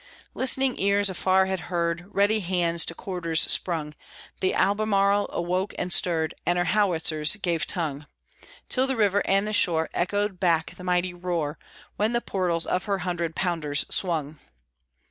Listening ears afar had heard; Ready hands to quarters sprung, The Albemarle awoke and stirred, And her howitzers gave tongue; Till the river and the shore echoed back the mighty roar, When the portals of her hundred pounders swung.